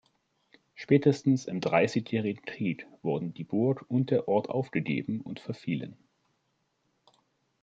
Spätestens im Dreißigjährigen Krieg wurden die Burg und der Ort aufgegeben und verfielen.